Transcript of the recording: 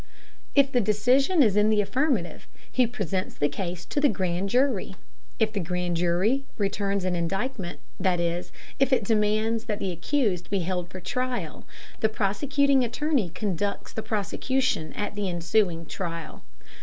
If the decision is in the affirmative, he presents the case to the grand jury. If the grand jury returns an indictment, that is, if it demands that the accused be held for trial, the prosecuting attorney conducts the prosecution at the ensuing trial.